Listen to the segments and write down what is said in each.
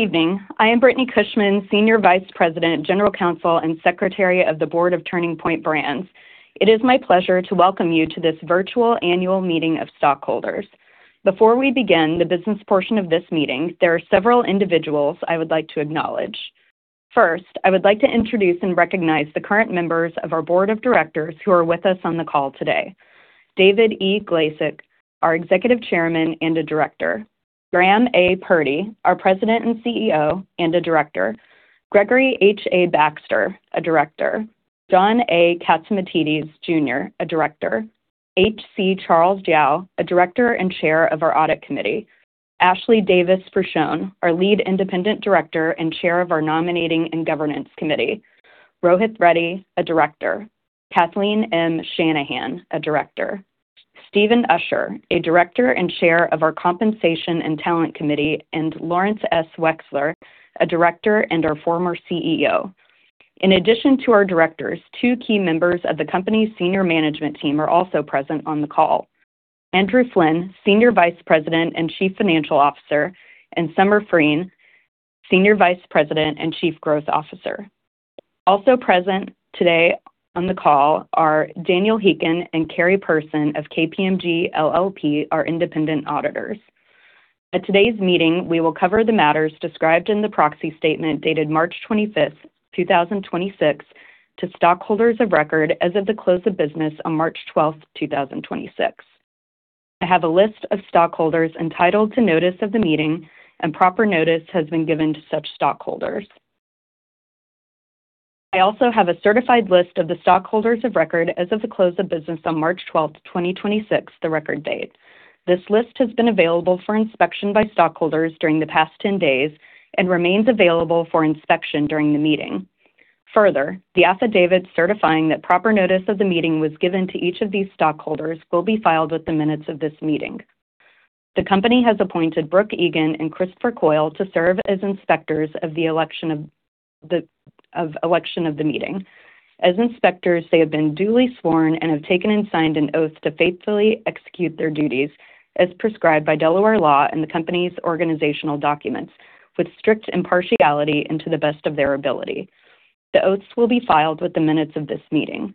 Evening. I am Brittani Cushman, Senior Vice President, General Counsel, and Secretary of the Board of Turning Point Brands. It is my pleasure to welcome you to this virtual annual meeting of stockholders. Before we begin the business portion of this meeting, there are several individuals I would like to acknowledge. First, I would like to introduce and recognize the current members of our Board of Directors who are with us on the call today. David E. Glazek, our Executive Chairman and a Director. Graham A. Purdy, our President and CEO and a Director. Gregory H. A. Baxter, a Director. John A. Catsimatidis Jr., a Director. H.C. Charles Diao, a Director and Chair of our Audit Committee. Ashley Davis Frushone, our Lead Independent Director and Chair of our Nominating and Governance Committee. Rohith Reddy, a Director. Kathleen M. Shanahan, a Director. Stephen Usher, a Director and Chair of our Compensation and Talent Committee, and Lawrence S. Wexler, a Director and our former CEO. In addition to our directors, two key members of the Company's Senior Management Team are also present on the call. Andrew Flynn, Senior Vice President and Chief Financial Officer, and Summer Frein, Senior Vice President and Chief Growth Officer. Also present today on the call are Daniel Heekin and Carrie Person of KPMG LLP, our independent auditors. At today's meeting, we will cover the matters described in the proxy statement dated March 25th, 2026 to stockholders of record as of the close of business on March 12th, 2026. I have a list of stockholders entitled to notice of the meeting and proper notice has been given to such stockholders. I also have a certified list of the stockholders of record as of the close of business on March 12, 2026, the record date. This list has been available for inspection by stockholders during the past 10 days and remains available for inspection during the meeting. Further, the affidavit certifying that proper notice of the meeting was given to each of these stockholders will be filed with the minutes of this meeting. The company has appointed Brooke Egan and Christopher Coyle to serve as inspectors of election of the meeting. As inspectors, they have been duly sworn and have taken and signed an oath to faithfully execute their duties as prescribed by Delaware law and the company's organizational documents with strict impartiality and to the best of their ability. The oaths will be filed with the minutes of this meeting.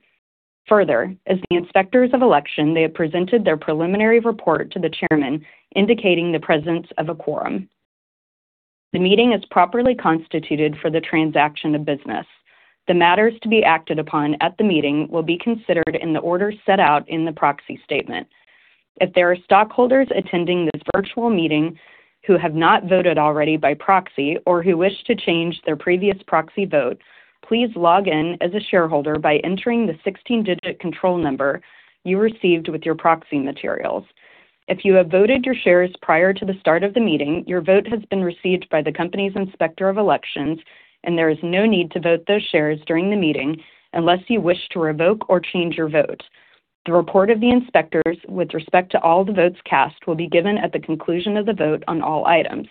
Further, as the inspectors of election, they have presented their preliminary report to the chairman indicating the presence of a quorum. The meeting is properly constituted for the transaction of business. The matters to be acted upon at the meeting will be considered in the order set out in the proxy statement. If there are stockholders attending this virtual meeting who have not voted already by proxy or who wish to change their previous proxy vote, please log in as a shareholder by entering the 16-digit control number you received with your proxy materials. If you have voted your shares prior to the start of the meeting, your vote has been received by the company's inspector of elections, and there is no need to vote those shares during the meeting unless you wish to revoke or change your vote. The report of the inspectors with respect to all the votes cast will be given at the conclusion of the vote on all items.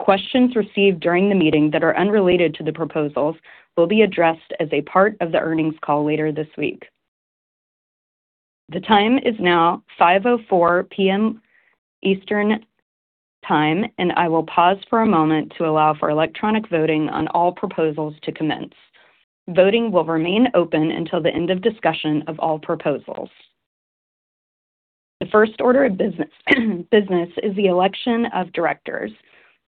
Questions received during the meeting that are unrelated to the proposals will be addressed as a part of the earnings call later this week. The time is now 5:04 P.M. Eastern Time, and I will pause for a moment to allow for electronic voting on all proposals to commence. Voting will remain open until the end of discussion of all proposals. The first order of business is the election of directors.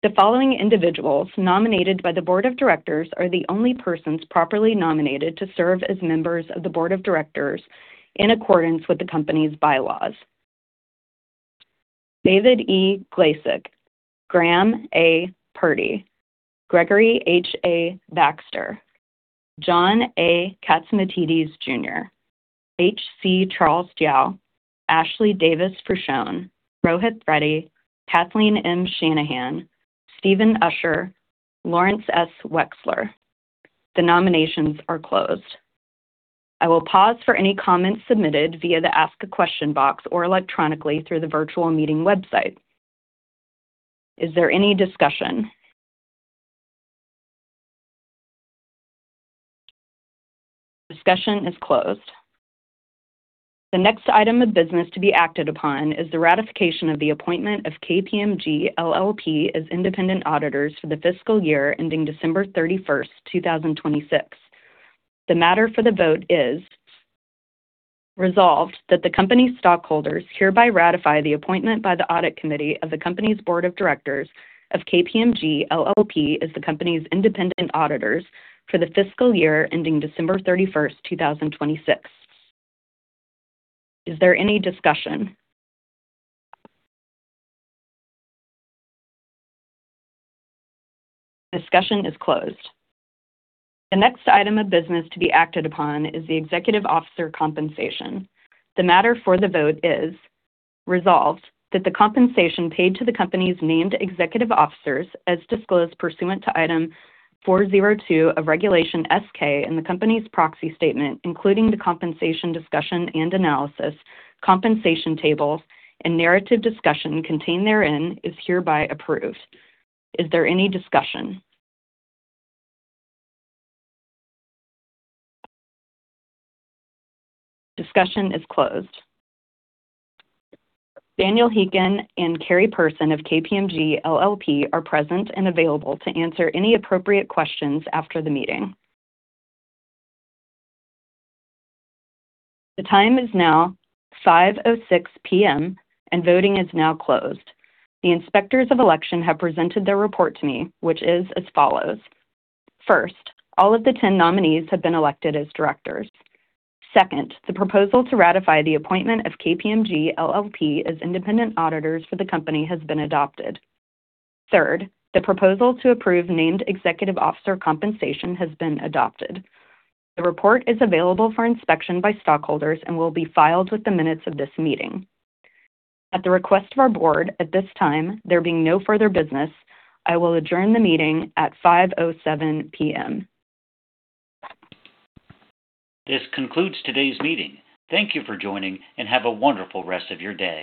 The following individuals nominated by the Board of Directors are the only persons properly nominated to serve as members of the Board of Directors in accordance with the company's bylaws. David E. Glazek, Graham A. Purdy, Gregory H. A. Baxter, John A. Catsimatidis Jr., H.C. Charles Diao, Ashley Davis Frushone, Rohith Reddy, Kathleen M. Shanahan, Stephen Usher, Lawrence S. Wexler. The nominations are closed. I will pause for any comments submitted via the ask a question box or electronically through the virtual meeting website. Is there any discussion? Discussion is closed. The next item of business to be acted upon is the ratification of the appointment of KPMG LLP as independent auditors for the fiscal year ending December 31st, 2026. The matter for the vote is resolved that the company stockholders hereby ratify the appointment by the audit committee of the company's Board of Directors of KPMG LLP as the company's independent auditors for the fiscal year ending December 31st, 2026. Is there any discussion? Discussion is closed. The next item of business to be acted upon is the executive officer compensation. The matter for the vote is resolved, that the compensation paid to the company's named executive officers as disclosed pursuant to item 402 of Regulation S-K in the company's proxy statement, including the compensation discussion and analysis, compensation tables, and narrative discussion contained therein is hereby approved. Is there any discussion? Discussion is closed. Daniel Heekin and Carrie Person of KPMG LLP are present and available to answer any appropriate questions after the meeting. The time is now 5:06 P.M., and voting is now closed. The inspectors of election have presented their report to me, which is as follows. First, all of the 10 nominees have been elected as directors. Second, the proposal to ratify the appointment of KPMG LLP as independent auditors for the company has been adopted. Third, the proposal to approve named executive officer compensation has been adopted. The report is available for inspection by stockholders and will be filed with the minutes of this meeting. At the request of our Board, at this time, there being no further business, I will adjourn the meeting at 5:07 P.M. This concludes today's meeting. Thank you for joining, and have a wonderful rest of your day.